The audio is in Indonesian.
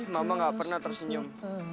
mama gak pernah tersenyum